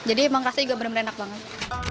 jadi emang rasanya juga bener bener enak banget